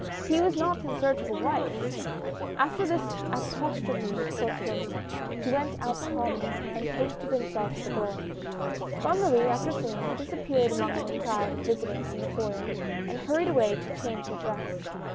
He was not in search of a wife ! After this apostrophe of Clotilde's he went out calmly and posted himself at the door. Bonne Marie, after singing, disappeared among the crowd of visitors in the foyer and hurried away to change her dress.